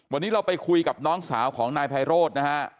วันนี้เราไปคุยกับน้องสาวของนายไพโรธนะฮะ